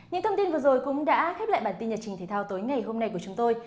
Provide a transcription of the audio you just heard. những thông tin vừa rồi cũng đã khép lại bản tin nhật trình thể thao tối ngày hôm nay của chúng tôi